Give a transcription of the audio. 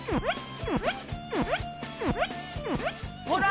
ほら！